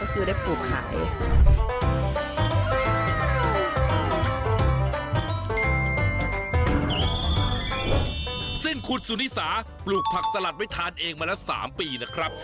ซึ่งคุณสุนิสาปลูกผักสลัดไว้ทานเองมาแล้ว๓ปีนะครับ